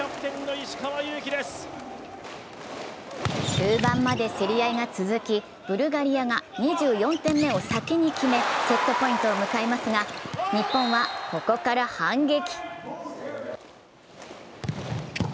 終盤まで競り合いが続き、ブルガリアが２４点目を先に決め、セットポイントを迎えますが、日本はここから反撃。